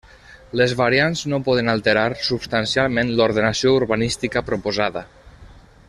Les variants no poden alterar substancialment l'ordenació urbanística proposada.